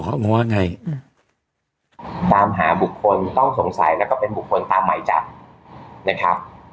ตามหาบุคคลต้องสงสัยและเป็นบุคคลตามไหมจับ